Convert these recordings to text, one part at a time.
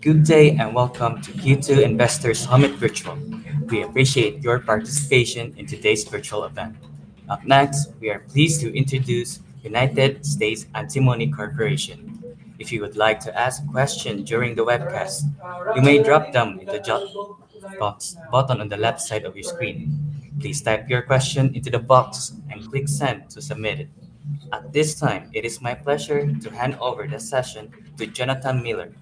Good day and welcome to Q2 Investors Summit Virtual. We appreciate your participation in today's virtual event. Up next, we are pleased to introduce United States Antimony Corporation. If you would like to ask a question during the webcast, you may drop them in the chat box button on the left side of your screen. Please type your question into the box and click send to submit it. At this time, it is my pleasure to hand over the session to Jonathan Miller,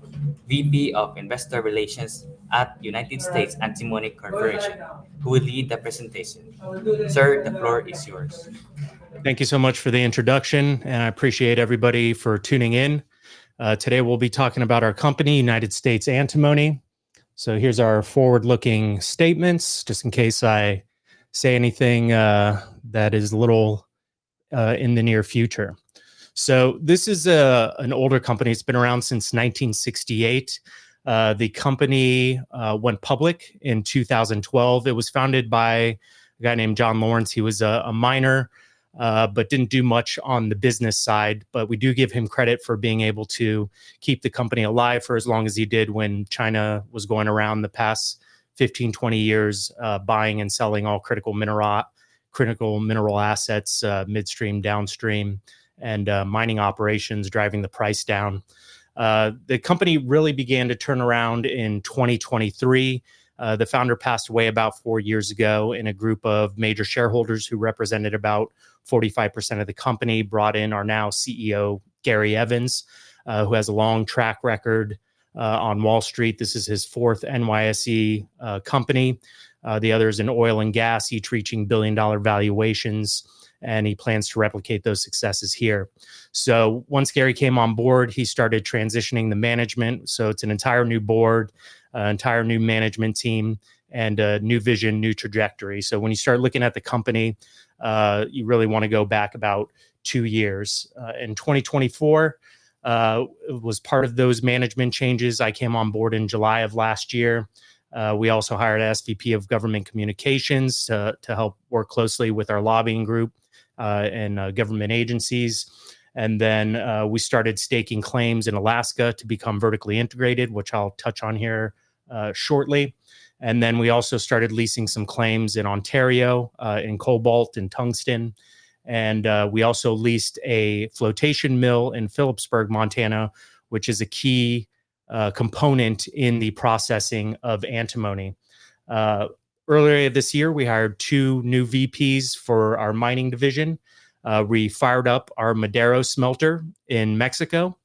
VP of Investor Relations at United States Antimony Corporation, who will lead the presentation. Sir, the floor is yours. Thank you so much for the introduction, and I appreciate everybody for tuning in. Today we'll be talking about our company, United States Antimony. Here is our forward-looking statements just in case I say anything that is a little in the near future. This is an older company. It's been around since 1968. The company went public in 2012. It was founded by a guy named John Lawrence. He was a miner, but didn't do much on the business side. We do give him credit for being able to keep the company alive for as long as he did when China was going around the past 15-20 years buying and selling all critical mineral assets, midstream, downstream, and mining operations, driving the price down. The company really began to turn around in 2023. The founder passed away about four years ago, and a group of major shareholders who represented about 45% of the company brought in our now CEO, Gary Evans, who has a long track record on Wall Street. This is his fourth NYSE company. The other is in oil and gas, each reaching billion-dollar valuations, and he plans to replicate those successes here. Once Gary came on board, he started transitioning the management. It is an entire new board, entire new management team, and a new vision, new trajectory. When you start looking at the company, you really want to go back about two years. In 2024, it was part of those management changes. I came on board in July of last year. We also hired an SVP of Government Communications to help work closely with our lobbying group and government agencies. Then we started staking claims in Alaska to become vertically integrated, which I'll touch on here shortly. We also started leasing some claims in Ontario, in Cobalt and Tungsten. We also leased a flotation mill in Philipsburg, Montana, which is a key component in the processing of Antimony. Earlier this year, we hired two new VPs for our mining division. We fired up our Madero smelter in Mexico,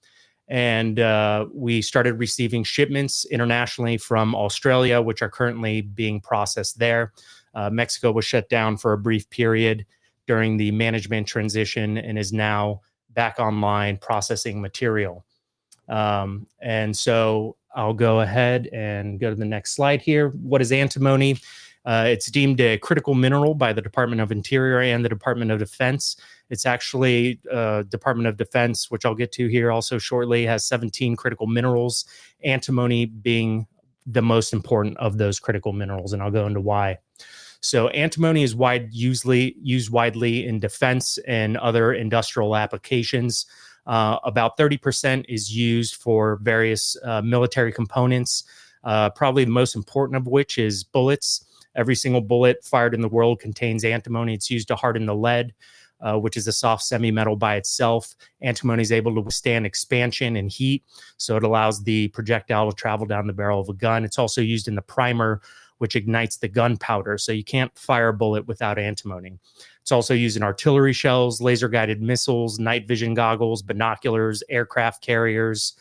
and we started receiving shipments internationally from Australia, which are currently being processed there. Mexico was shut down for a brief period during the management transition and is now back online processing material. I'll go ahead and go to the next slide here. What is Antimony? It's deemed a critical mineral by the Department of Interior and the Department of Defense. It's actually the Department of Defense, which I'll get to here also shortly, has 17 critical minerals, Antimony being the most important of those critical minerals, and I'll go into why. Antimony is widely used in defense and other industrial applications. About 30% is used for various military components, probably the most important of which is bullets. Every single bullet fired in the world contains antimony. It's used to harden the lead, which is a soft semi-metal by itself. Antimony is able to withstand expansion and heat, so it allows the projectile to travel down the barrel of a gun. It's also used in the primer, which ignites the gunpowder, so you can't fire a bullet without Antimony. It's also used in artillery shells, laser-guided missiles, night vision goggles, binoculars, aircraft carriers,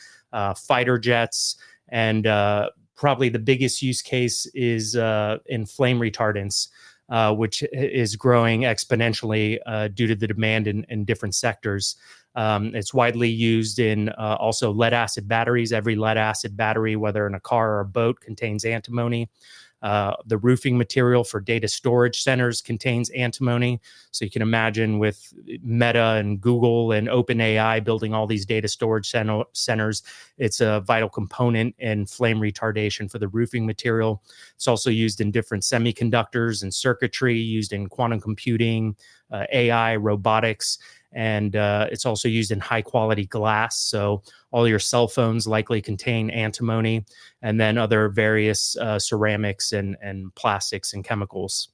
fighter jets, and probably the biggest use case is in flame retardants, which is growing exponentially due to the demand in different sectors. It's widely used in also lead-acid batteries. Every lead-acid battery, whether in a car or a boat, contains antimony. The roofing material for data storage centers contains antimony. You can imagine with Meta and Google and OpenAI building all these data storage centers, it's a vital component in flame retardation for the roofing material. It's also used in different semiconductors and circuitry used in quantum computing, AI, robotics, and it's also used in high-quality glass. All your cell phones likely contain antimony and then other various ceramics and plastics and chemicals.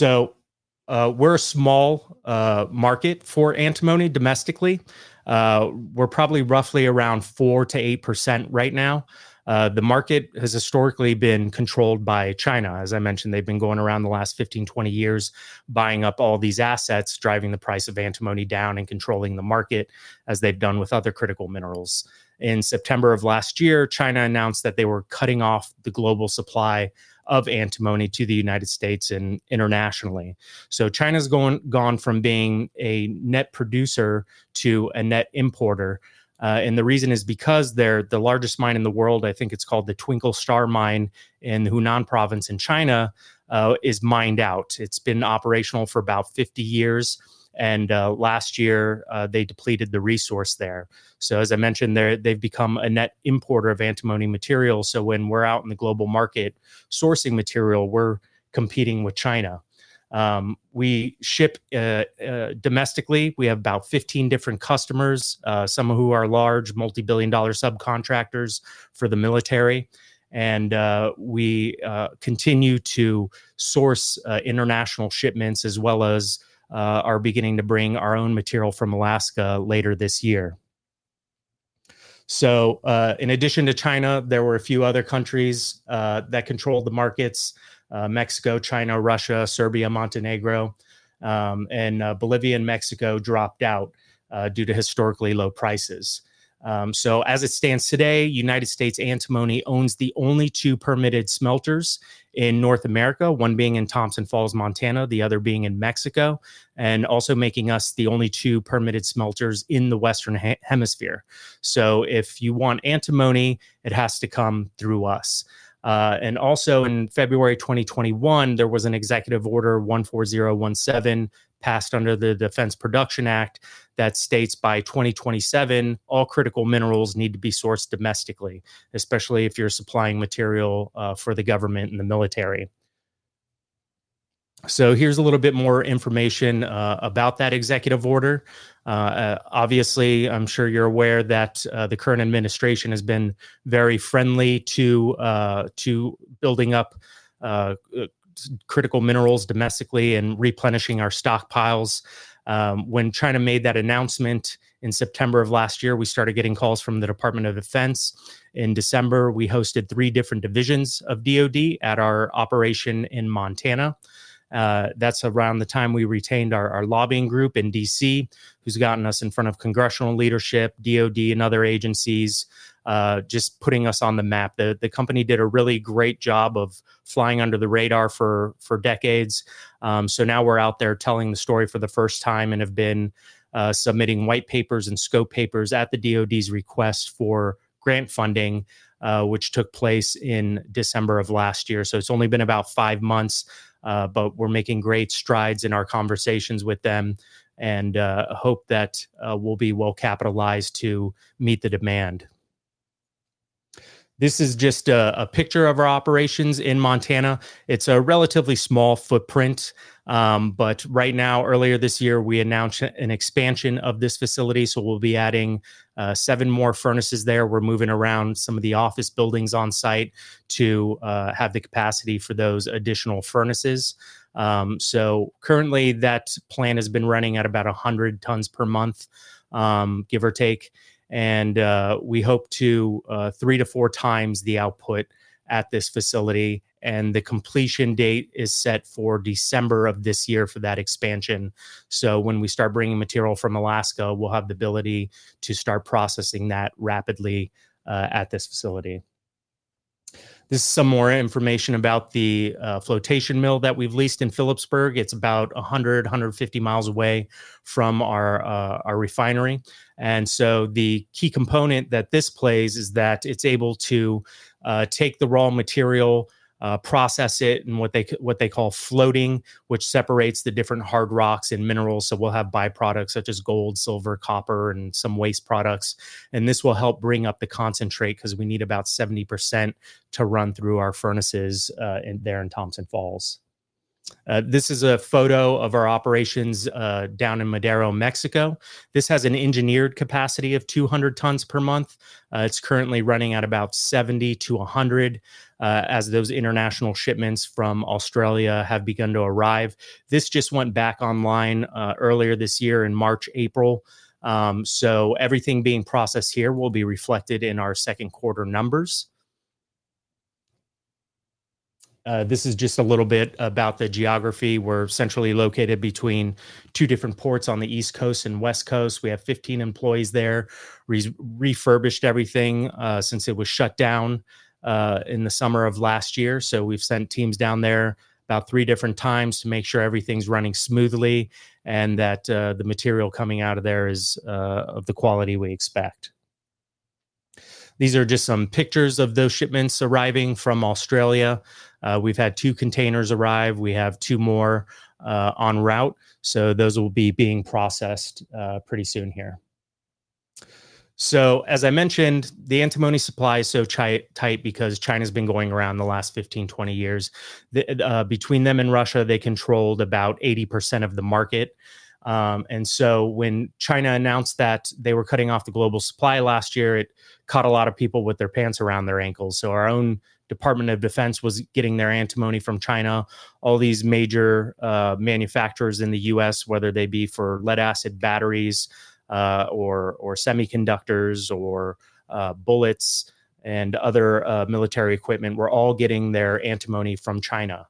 We're a small market for Antimony domestically. We're probably roughly around 4% - 8% right now. The market has historically been controlled by China. As I mentioned, they've been going around the last 15, 20 years buying up all these assets, driving the price of Antimony down and controlling the market as they've done with other critical minerals. In September of last year, China announced that they were cutting off the global supply of Antimony to the United States and internationally. China's gone from being a net producer to a net importer. The reason is because they're the largest mine in the world. I think it's called the Twinkle Star Mine in Hunan Province in China, is mined out. It's been operational for about 50 years, and last year they depleted the resource there. As I mentioned, they've become a net importer of antimony material. When we're out in the global market sourcing material, we're competing with China. We ship domestically. We have about 15 different customers, some who are large multi-billion dollar subcontractors for the military. We continue to source international shipments as well as are beginning to bring our own material from Alaska later this year. In addition to China, there were a few other countries that controlled the markets: Mexico, China, Russia, Serbia, Montenegro, and Bolivia, and Mexico dropped out due to historically low prices. As it stands today, United States Antimony owns the only two permitted smelters in North America, one being in Thompson Falls, Montana, the other being in Mexico, and also making us the only two permitted smelters in the Western Hemisphere. If you want Antimony, it has to come through us. Also in February 2021, there was an Executive Order 14017 passed under the Defense Production Act that states by 2027, all critical minerals need to be sourced domestically, especially if you're supplying material for the government and the military. Here's a little bit more information about that executive order. Obviously, I'm sure you're aware that the current administration has been very friendly to building up critical minerals domestically and replenishing our stockpiles. When China made that announcement in September of last year, we started getting calls from the Department of Defense. In December, we hosted three different divisions of DOD at our operation in Montana. That's around the time we retained our lobbying group in D.C., who's gotten us in front of congressional leadership, DOD, and other agencies, just putting us on the map. The company did a really great job of flying under the radar for decades. Now we're out there telling the story for the first time and have been submitting white papers and scope papers at the DOD's request for grant funding, which took place in December of last year. It's only been about five months, but we're making great strides in our conversations with them and hope that we'll be well capitalized to meet the demand. This is just a picture of our operations in Montana. It's a relatively small footprint, but right now, earlier this year, we announced an expansion of this facility. We'll be adding seven more furnaces there. We're moving around some of the office buildings on site to have the capacity for those additional furnaces. Currently, that plan has been running at about 100 tons per month, give or take, and we hope to three to four times the output at this facility. The completion date is set for December of this year for that expansion. When we start bringing material from Alaska, we'll have the ability to start processing that rapidly at this facility. This is some more information about the flotation mill that we've leased in Philipsburg. It's about 100 mi - 150 mi away from our refinery. The key component that this plays is that it's able to take the raw material, process it in what they call floating, which separates the different hard rocks and minerals. We'll have byproducts such as gold, silver, copper, and some waste products. This will help bring up the concentrate because we need about 70% to run through our furnaces there in Thompson Falls. This is a photo of our operations down in Madero, Mexico. This has an engineered capacity of 200 tons per month. It's currently running at about 70 - 100 as those international shipments from Australia have begun to arrive. This just went back online earlier this year in March, April. Everything being processed here will be reflected in our second quarter numbers. This is just a little bit about the geography. We're centrally located between two different ports on the East Coast and West Coast. We have 15 employees there. We refurbished everything since it was shut down in the summer of last year. We've sent teams down there about three different times to make sure everything's running smoothly and that the material coming out of there is of the quality we expect. These are just some pictures of those shipments arriving from Australia. We've had two containers arrive. We have two more en route. Those will be being processed pretty soon here. As I mentioned, the antimony supply is so tight because China's been going around the last 15 years - 20 years. Between them and Russia, they controlled about 80% of the market. When China announced that they were cutting off the global supply last year, it caught a lot of people with their pants around their ankles. Our own Department of Defense was getting their Antimony from China. All these major manufacturers in the U.S., whether they be for lead-acid batteries or semiconductors or bullets and other military equipment, were all getting their Antimony from China.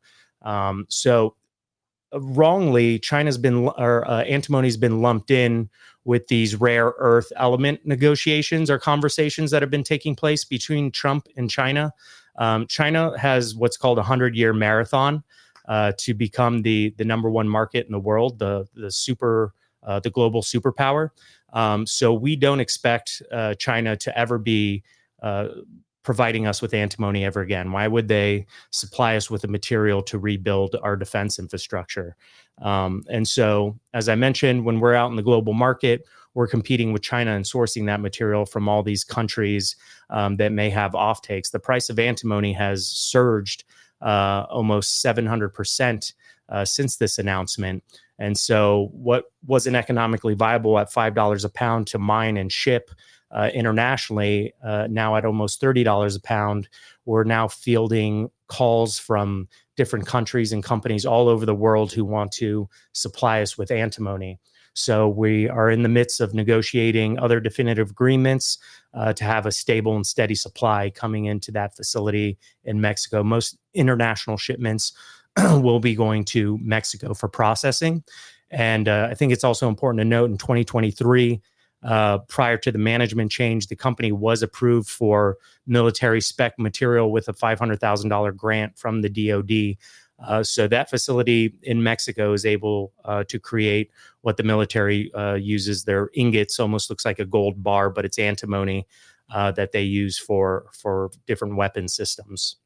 Wrongly, antimony's been lumped in with these rare earth element negotiations or conversations that have been taking place between Trump and China. China has what's called a 100-year marathon to become the number one market in the world, the global superpower. We do not expect China to ever be providing us with Antimony ever again. Why would they supply us with a material to rebuild our defense infrastructure? As I mentioned, when we are out in the global market, we are competing with China and sourcing that material from all these countries that may have offtakes. The price of Antimony has surged almost 700% since this announcement. What was not economically viable at $5 a pound to mine and ship internationally, now at almost $30 a pound, we are now fielding calls from different countries and companies all over the world who want to supply us with antimony. We are in the midst of negotiating other definitive agreements to have a stable and steady supply coming into that facility in Mexico. Most international shipments will be going to Mexico for processing. I think it's also important to note in 2023, prior to the management change, the company was approved for military spec material with a $500,000 grant from the DOD. That facility in Mexico is able to create what the military uses. Their ingots almost look like a gold bar, but it's Antimony that they use for different weapon systems.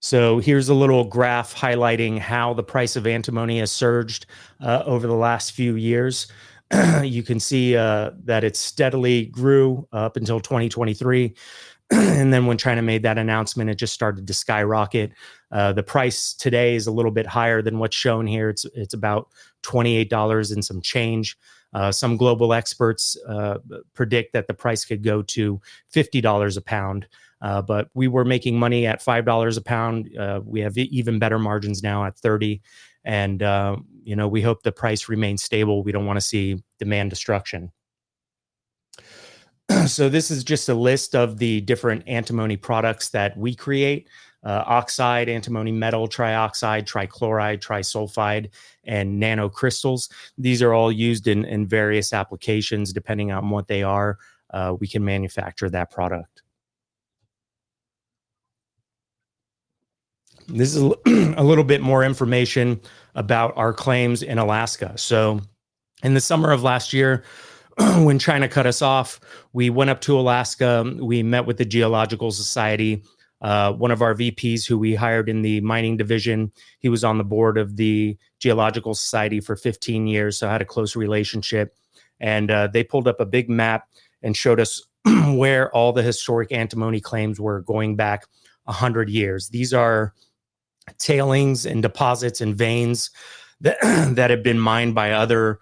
Here's a little graph highlighting how the price of Antimony has surged over the last few years. You can see that it steadily grew up until 2023. When China made that announcement, it just started to skyrocket. The price today is a little bit higher than what's shown here. It's about $28 and some change. Some global experts predict that the price could go to $50 a pound. We were making money at $5 a pound. We have even better margins now at 30. We hope the price remains stable. We do not want to see demand destruction. This is just a list of the different Antimony products that we create: oxide, Antimony metal, trioxide, trichloride, trisulfide, and nanocrystals. These are all used in various applications. Depending on what they are, we can manufacture that product. This is a little bit more information about our claims in Alaska. In the summer of last year, when China cut us off, we went up to Alaska. We met with the Geological Society. One of our VPs, who we hired in the mining division, was on the board of the Geological Society for 15 years, so had a close relationship. They pulled up a big map and showed us where all the historic Antimony claims were going back 100 years. These are tailings and deposits and veins that have been mined by other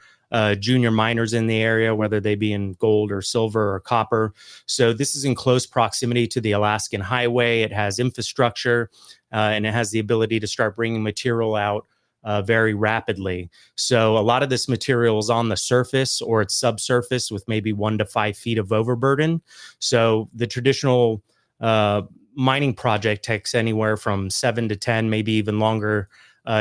junior miners in the area, whether they be in gold or silver or copper. This is in close proximity to the Alaskan Highway. It has infrastructure, and it has the ability to start bringing material out very rapidly. A lot of this material is on the surface or it is subsurface with maybe one to five feet of overburden. The traditional mining project takes anywhere from 7 - 10, maybe even longer,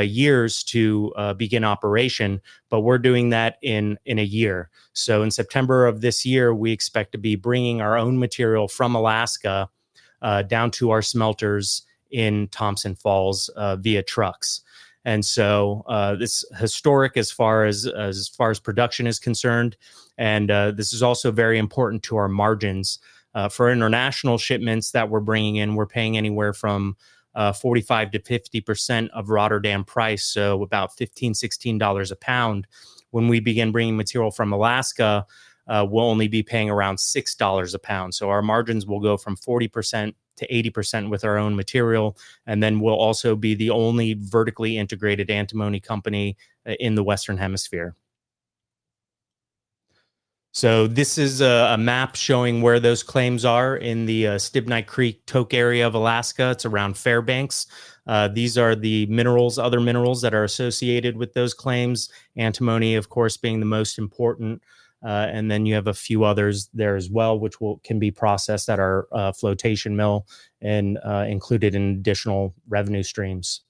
years to begin operation. We are doing that in a year. In September of this year, we expect to be bringing our own material from Alaska down to our smelters in Thompson Falls via trucks. It is historic as far as production is concerned. This is also very important to our margins. For international shipments that we're bringing in, we're paying anywhere from 45% - 50% of Rotterdam price, so about $15, $16 a pound. When we begin bringing material from Alaska, we'll only be paying around $6 a pound. Our margins will go from 40% to 80% with our own material. We will also be the only vertically integrated antimony company in the Western Hemisphere. This is a map showing where those claims are in the Stibnite Creek Tok area of Alaska. It is around Fairbanks. These are the other minerals that are associated with those claims, Antimony, of course, being the most important. You have a few others there as well, which can be processed at our flotation mill and included in additional revenue streams.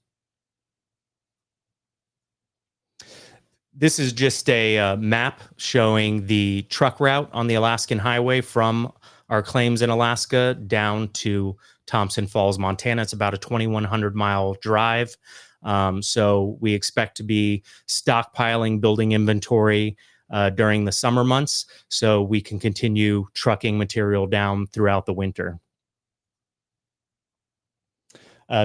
This is just a map showing the truck route on the Alaskan Highway from our claims in Alaska down to Thompson Falls, Montana. It is about a 2,100 mi drive. We expect to be stockpiling, building inventory during the summer months so we can continue trucking material down throughout the winter.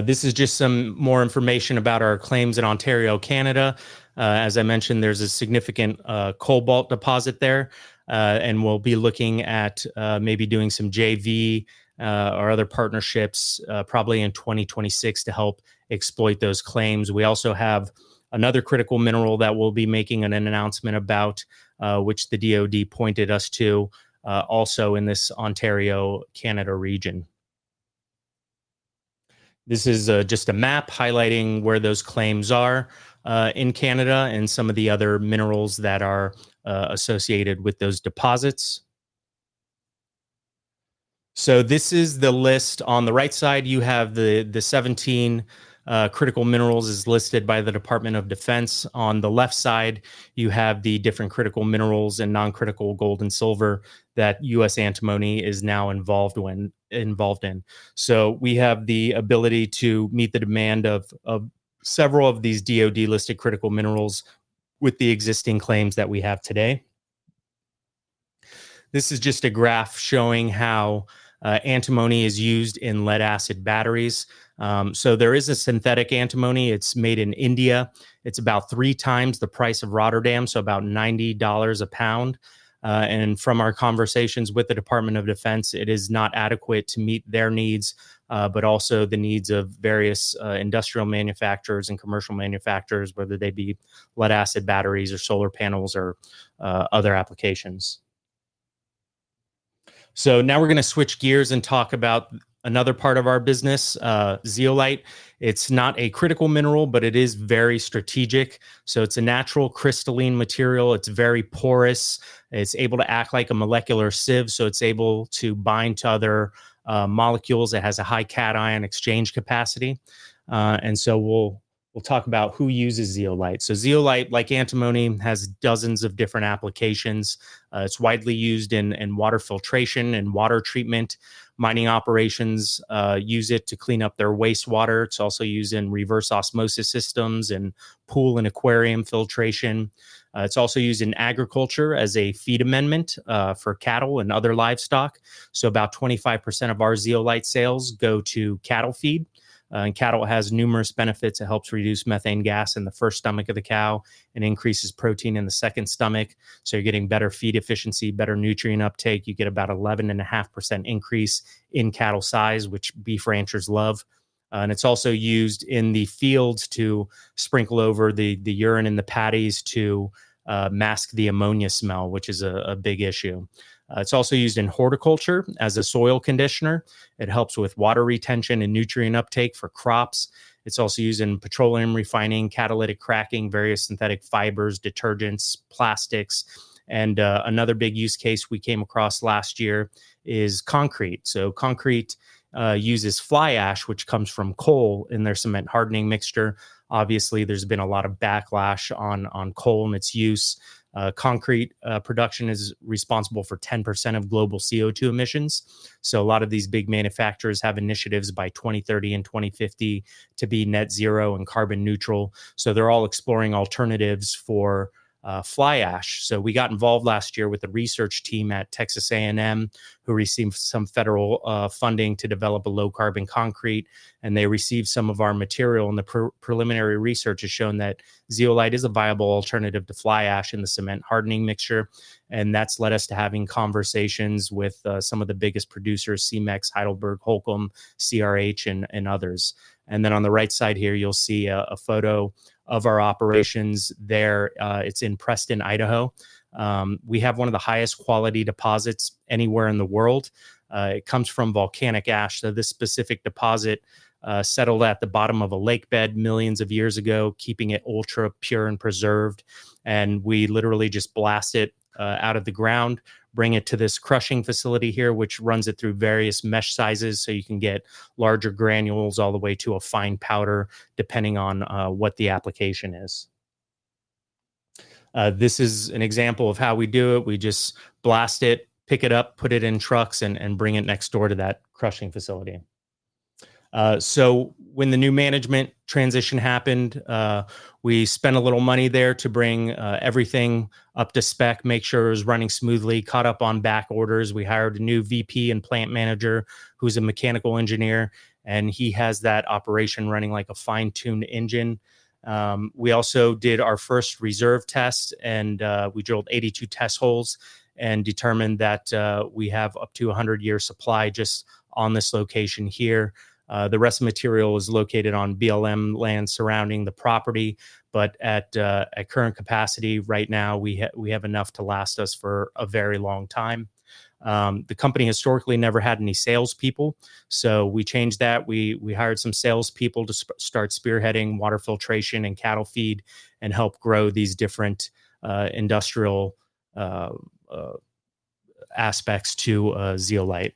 This is just some more information about our claims in Ontario, Canada. As I mentioned, there is a significant cobalt deposit there. We will be looking at maybe doing some JV or other partnerships probably in 2026 to help exploit those claims. We also have another critical mineral that we will be making an announcement about, which the DOD pointed us to also in this Ontario, Canada region. This is just a map highlighting where those claims are in Canada and some of the other minerals that are associated with those deposits. This is the list. On the right side, you have the 17 critical minerals listed by the Department of Defense. On the left side, you have the different critical minerals and noncritical gold and silver that United States Antimony is now involved in. We have the ability to meet the demand of several of these DOD-listed critical minerals with the existing claims that we have today. This is just a graph showing how Antimony is used in lead-acid batteries. There is a synthetic antimony. It is made in India. It is about three times the price of Rotterdam, so about $90 a pound. From our conversations with the Department of Defense, it is not adequate to meet their needs, but also the needs of various industrial manufacturers and commercial manufacturers, whether they be lead-acid batteries or solar panels or other applications. Now we're going to switch gears and talk about another part of our business, Zeolite. It's not a critical mineral, but it is very strategic. It's a natural crystalline material. It's very porous. It's able to act like a molecular sieve, so it's able to bind to other molecules. It has a high cation exchange capacity. We'll talk about who uses Zeolite. Zeolite, like Antimony, has dozens of different applications. It's widely used in water filtration and water treatment. Mining operations use it to clean up their wastewater. It's also used in reverse osmosis systems and pool and aquarium filtration. It's also used in agriculture as a feed amendment for cattle and other livestock. About 25% of our Zeolite sales go to cattle feed. Cattle has numerous benefits. It helps reduce methane gas in the first stomach of the cow and increases protein in the second stomach. You are getting better feed efficiency, better nutrient uptake. You get about 11.5% increase in cattle size, which beef ranchers love. It is also used in the fields to sprinkle over the urine in the patties to mask the ammonia smell, which is a big issue. It is also used in horticulture as a soil conditioner. It helps with water retention and nutrient uptake for crops. It is also used in petroleum refining, catalytic cracking, various synthetic fibers, detergents, plastics. Another big use case we came across last year is concrete. Concrete uses fly ash, which comes from coal in their cement hardening mixture. Obviously, there has been a lot of backlash on coal and its use. Concrete production is responsible for 10% of global CO2 emissions. A lot of these big manufacturers have initiatives by 2030 and 2050 to be net zero and carbon neutral. They are all exploring alternatives for fly ash. We got involved last year with a research team at Texas A&M who received some federal funding to develop a low-carbon concrete. They received some of our material. The preliminary research has shown that Zeolite is a viable alternative to fly ash in the cement hardening mixture. That has led us to having conversations with some of the biggest producers: CEMEX, Heidelberg Materials, Holcim, CRH, and others. On the right side here, you will see a photo of our operations there. It is in Preston, Idaho. We have one of the highest quality deposits anywhere in the world. It comes from volcanic ash. This specific deposit settled at the bottom of a lake bed millions of years ago, keeping it ultra pure and preserved. We literally just blast it out of the ground, bring it to this crushing facility here, which runs it through various mesh sizes so you can get larger granules all the way to a fine powder, depending on what the application is. This is an example of how we do it. We just blast it, pick it up, put it in trucks, and bring it next door to that crushing facility. When the new management transition happened, we spent a little money there to bring everything up to spec, make sure it was running smoothly, caught up on back orders. We hired a new VP and plant manager who's a mechanical engineer. He has that operation running like a fine-tuned engine. We also did our first reserve test, and we drilled 82 test holes and determined that we have up to 100-year supply just on this location here. The rest of the material is located on BLM land surrounding the property. At current capacity right now, we have enough to last us for a very long time. The company historically never had any salespeople. We changed that. We hired some salespeople to start spearheading water filtration and cattle feed and help grow these different industrial aspects to Zeolite.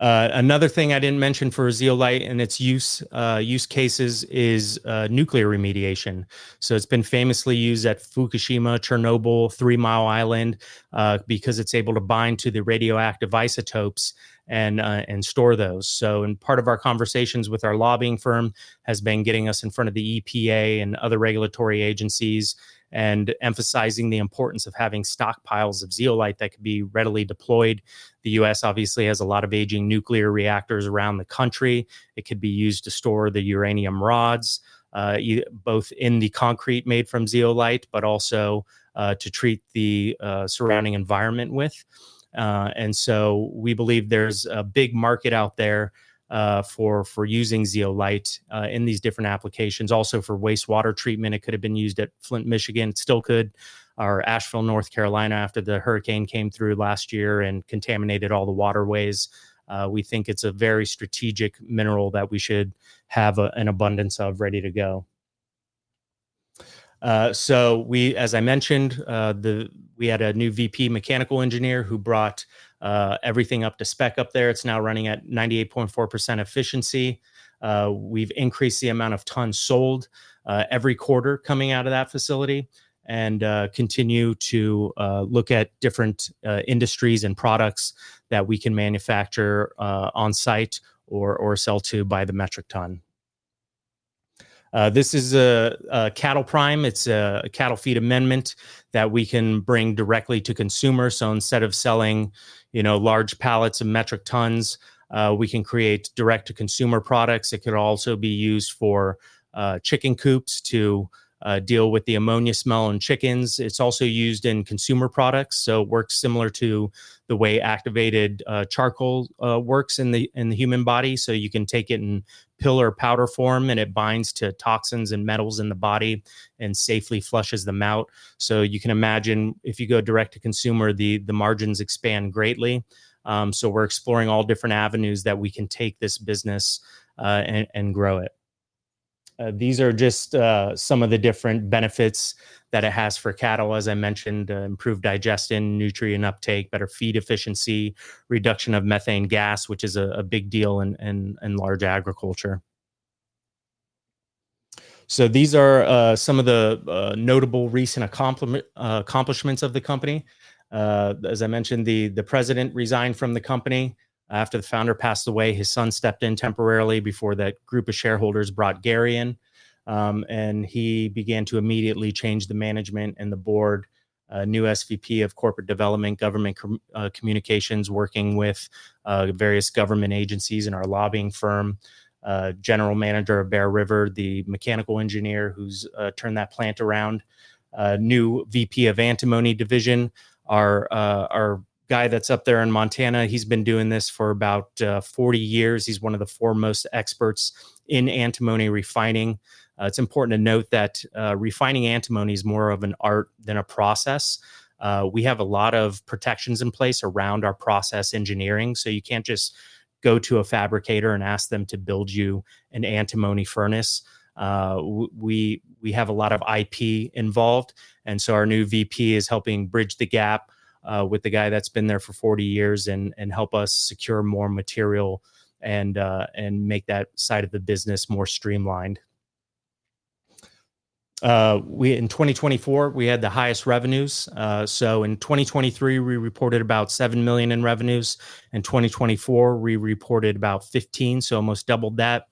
Another thing I did not mention for Zeolite and its use cases is nuclear remediation. It has been famously used at Fukushima, Chernobyl, Three Mile Island because it is able to bind to the radioactive isotopes and store those. Part of our conversations with our lobbying firm has been getting us in front of the EPA and other regulatory agencies and emphasizing the importance of having stockpiles of Zeolite that could be readily deployed. The U.S. obviously has a lot of aging nuclear reactors around the country. It could be used to store the uranium rods, both in the concrete made from Zeolite, but also to treat the surrounding environment with. We believe there is a big market out there for using Zeolite in these different applications. Also for wastewater treatment, it could have been used at Flint, Michigan. It still could. Our Asheville, North Carolina, after the hurricane came through last year and contaminated all the waterways, we think it is a very strategic mineral that we should have an abundance of ready to go. As I mentioned, we had a new VP mechanical engineer who brought everything up to spec up there. It's now running at 98.4% efficiency. We've increased the amount of tons sold every quarter coming out of that facility and continue to look at different industries and products that we can manufacture on site or sell to by the metric ton. This is a cattle prime. It's a cattle feed amendment that we can bring directly to consumers. Instead of selling large pallets of metric tons, we can create direct-to-consumer products. It could also be used for chicken coops to deal with the ammonia smell in chickens. It's also used in consumer products. It works similar to the way activated charcoal works in the human body. You can take it in pill or powder form, and it binds to toxins and metals in the body and safely flushes them out. You can imagine, if you go direct-to-consumer, the margins expand greatly. We're exploring all different avenues that we can take this business and grow it. These are just some of the different benefits that it has for cattle, as I mentioned: improved digestion, nutrient uptake, better feed efficiency, reduction of methane gas, which is a big deal in large agriculture. These are some of the notable recent accomplishments of the company. As I mentioned, the President resigned from the company after the founder passed away. His son stepped in temporarily before that group of shareholders brought Gary in. He began to immediately change the management and the board, new SVP of Corporate Development, Government Communications, working with various government agencies and our lobbying firm, General Manager of Bear River, the mechanical engineer who's turned that plant around, new VP of Antimony Division, our guy that's up there in Montana. He's been doing this for about 40 years. He's one of the foremost experts in Antimony refining. It's important to note that refining Antimony is more of an art than a process. We have a lot of protections in place around our process engineering. You can't just go to a fabricator and ask them to build you an Antimony furnace. We have a lot of IP involved. Our new VP is helping bridge the gap with the guy that's been there for 40 years and help us secure more material and make that side of the business more streamlined. In 2024, we had the highest revenues. In 2023, we reported about $7 million in revenues. In 2024, we reported about $15 million, so almost doubled that.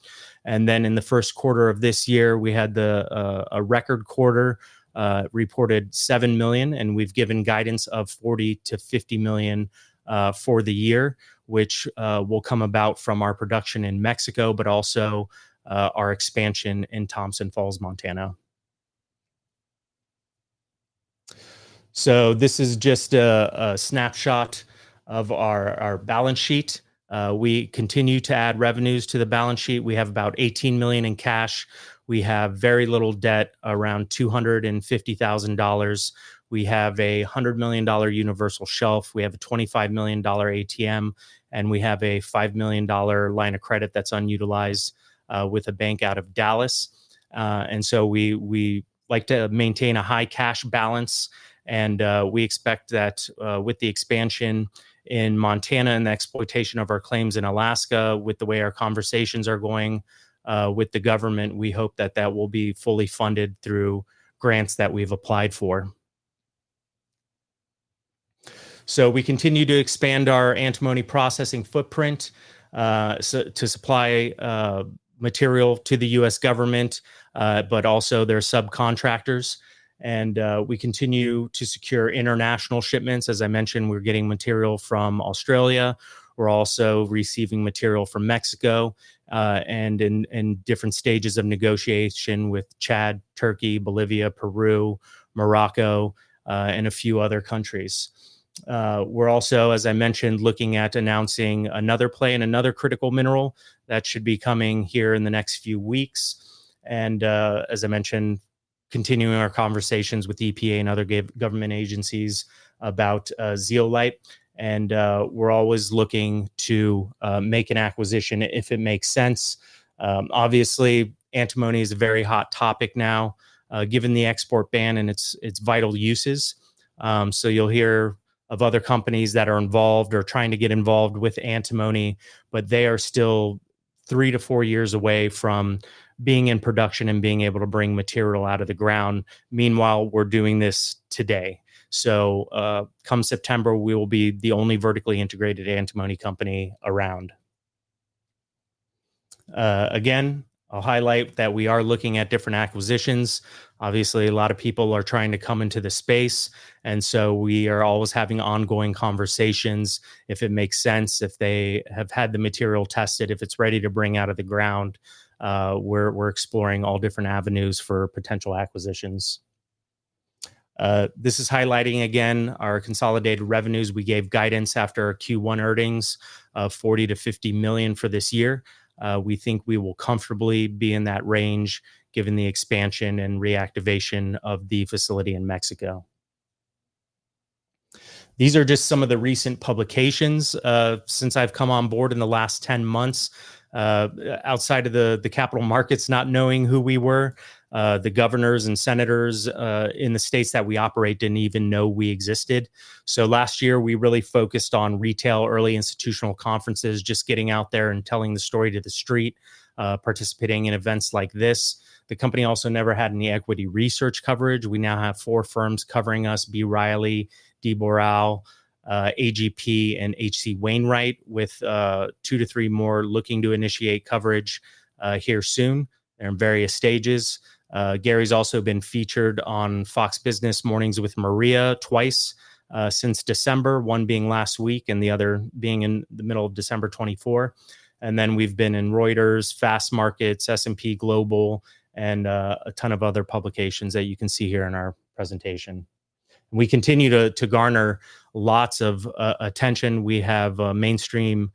In the first quarter of this year, we had a record quarter, reported $7 million, and we've given guidance of $40 million- $50 million for the year, which will come about from our production in Mexico but also our expansion in Thompson Falls, Montana. This is just a snapshot of our balance sheet. We continue to add revenues to the balance sheet. We have about $18 million in cash. We have very little debt, around $250,000. We have a $100 million universal shelf. We have a $25 million ATM, and we have a $5 million line of credit that's unutilized with a bank out of Dallas. We like to maintain a high cash balance. We expect that with the expansion in Montana and the exploitation of our claims in Alaska, with the way our conversations are going with the government, we hope that that will be fully funded through grants that we've applied for. We continue to expand our Antimony processing footprint to supply material to the U.S. government, but also their subcontractors. We continue to secure international shipments. As I mentioned, we're getting material from Australia. We're also receiving material from Mexico and in different stages of negotiation with Chad, Turkey, Bolivia, Peru, Morocco, and a few other countries. We're also, as I mentioned, looking at announcing another play in another critical mineral that should be coming here in the next few weeks. As I mentioned, continuing our conversations with EPA and other government agencies about Zeolite. We're always looking to make an acquisition if it makes sense. Obviously, Antimony is a very hot topic now, given the export ban and its vital uses. You'll hear of other companies that are involved or trying to get involved with Antimony, but they are still three to four years away from being in production and being able to bring material out of the ground. Meanwhile, we're doing this today. Come September, we will be the only vertically integrated antimony company around. Again, I'll highlight that we are looking at different acquisitions. Obviously, a lot of people are trying to come into the space. We are always having ongoing conversations if it makes sense, if they have had the material tested, if it is ready to bring out of the ground. We are exploring all different avenues for potential acquisitions. This is highlighting again our consolidated revenues. We gave guidance after our Q1 earnings of $40 million - $50 million for this year. We think we will comfortably be in that range given the expansion and reactivation of the facility in Mexico. These are just some of the recent publications since I have come on board in the last 10 months. Outside of the capital markets, not knowing who we were, the governors and senators in the states that we operate did not even know we existed. Last year, we really focused on retail, early institutional conferences, just getting out there and telling the story to the street, participating in events like this. The company also never had any equity research coverage. We now have four firms covering us: B. Riley, D. Boral, AGP, and H.C. Wainwright, with two to three more looking to initiate coverage here soon. They're in various stages. Gary's also been featured on Fox Business Mornings with Maria twice since December, one being last week and the other being in the middle of December 2024. We have been in Reuters, Fast Markets, S&P Global, and a ton of other publications that you can see here in our presentation. We continue to garner lots of attention. We have mainstream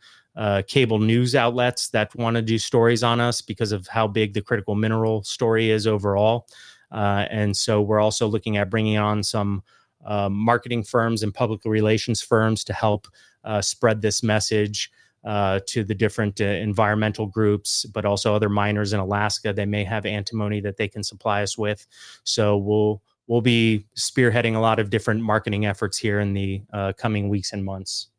cable news outlets that want to do stories on us because of how big the critical mineral story is overall. We're also looking at bringing on some marketing firms and public relations firms to help spread this message to the different environmental groups, but also other miners in Alaska that may have antimony that they can supply us with. We'll be spearheading a lot of different marketing efforts here in the coming weeks and months.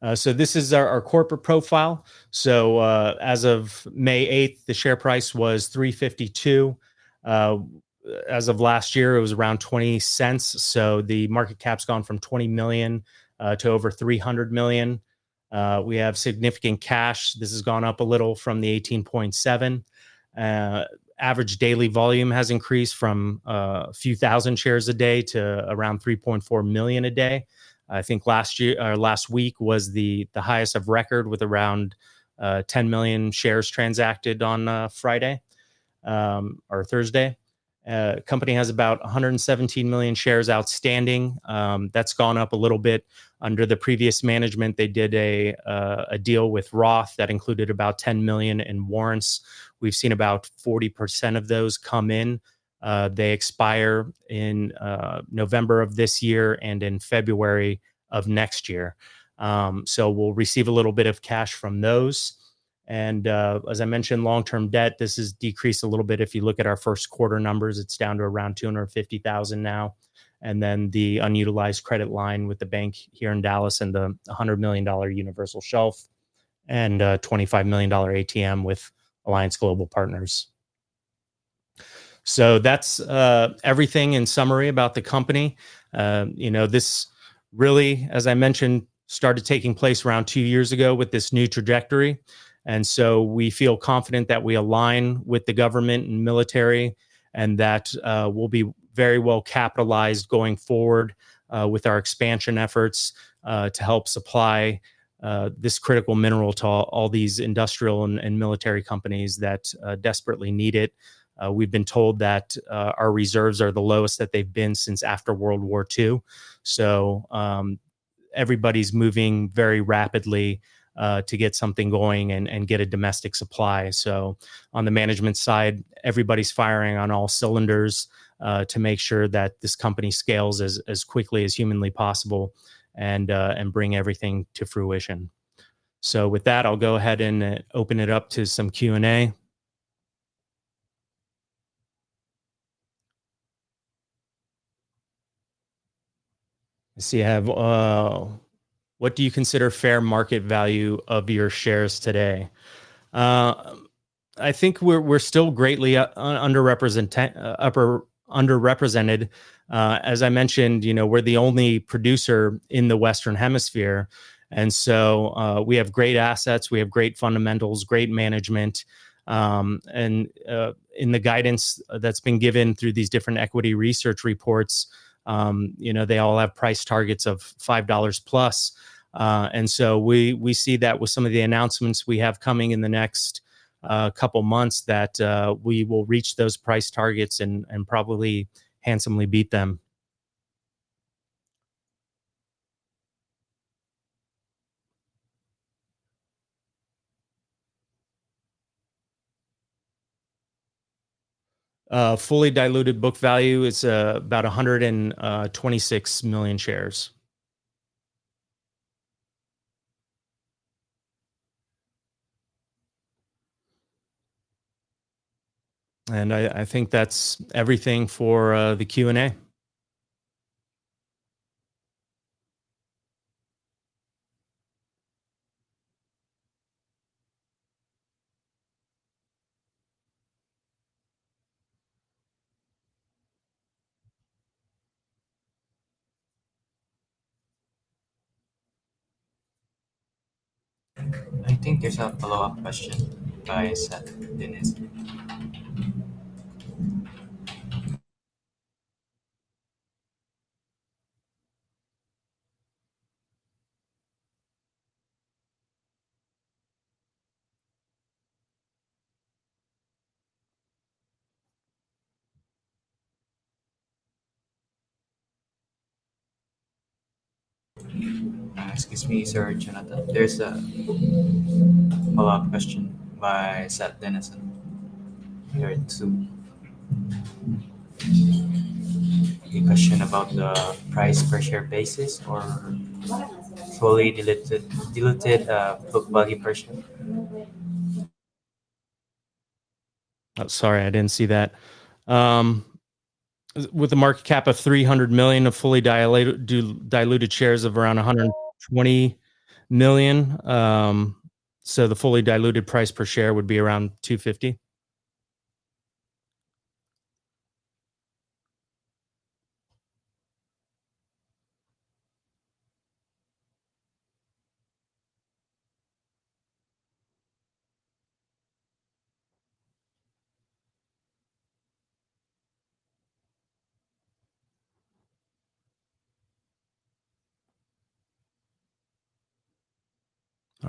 This is our corporate profile. As of May 8, the share price was $3.52. As of last year, it was around $0.20. The market cap's gone from $20 million to over $300 million. We have significant cash. This has gone up a little from the $18.7 million. Average daily volume has increased from a few thousand shares a day to around 3.4 million a day. I think last week was the highest of record with around 10 million shares transacted on Friday or Thursday. The company has about 117 million shares outstanding. That's gone up a little bit. Under the previous management, they did a deal with Roth that included about 10 million in warrants. We've seen about 40% of those come in. They expire in November of this year and in February of next year. We'll receive a little bit of cash from those. As I mentioned, long-term debt, this has decreased a little bit. If you look at our first quarter numbers, it's down to around $250,000 now. Then the unutilized credit line with the bank here in Dallas and the $100 million universal shelf and $25 million ATM with Alliance Global Partners. That's everything in summary about the company. This really, as I mentioned, started taking place around two years ago with this new trajectory. We feel confident that we align with the government and military and that we'll be very well capitalized going forward with our expansion efforts to help supply this critical mineral to all these industrial and military companies that desperately need it. We've been told that our reserves are the lowest that they've been since after World War II. Everybody's moving very rapidly to get something going and get a domestic supply. On the management side, everybody's firing on all cylinders to make sure that this company scales as quickly as humanly possible and bring everything to fruition. With that, I'll go ahead and open it up to some Q&A. Let's see. What do you consider fair market value of your shares today? I think we're still greatly underrepresented. As I mentioned, we're the only producer in the Western Hemisphere. We have great assets. We have great fundamentals, great management. In the guidance that has been given through these different equity research reports, they all have price targets of $5 plus. We see that with some of the announcements we have coming in the next couple of months that we will reach those price targets and probably handsomely beat them. Fully diluted book value is about 126 million shares. I think that is everything for the Q&A. I think there is a follow-up question by Seth. Excuse me, sir. There is a follow-up question by Seth Denison here too. A question about the price per share basis or fully diluted book value per share. Sorry, I did not see that. With a market cap of $300 million, a fully diluted share is of around 120 million. The fully diluted price per share would be around $2.50.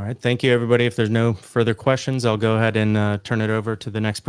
All right. Thank you, everybody. If there's no further questions, I'll go ahead and turn it over to the next.